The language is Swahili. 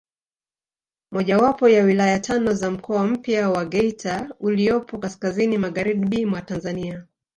Mojawapo ya wilaya tano za mkoa mpya wa Geita uliopo kaskazini magharibi mwa Tanzania